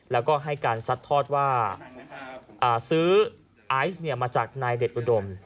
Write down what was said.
แล้วก็ให้การซัดทอดว่าซื้อไอซ์มาจากนายเด็ดอุดม